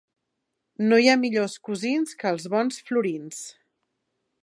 No hi ha millors cosins que els bons florins.